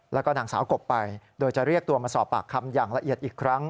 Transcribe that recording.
แล้วก็นางสาวกบไปโดยจะเรียกตัวมาสอบปากคำอย่างละเอียดอีกครั้ง